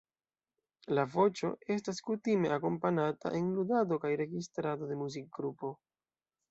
La voĉo estas kutime akompanata en ludado kaj registrado de muzikgrupo.